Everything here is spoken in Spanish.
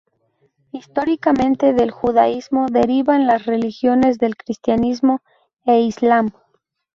Históricamente, del judaísmo derivan las religiones del cristianismo e islam.